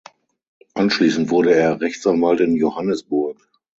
Anschließend wurde er Rechtsanwalt in Johannesburg.